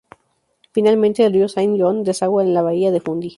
Finalmente, el río Saint John desagua en la bahía de Fundy.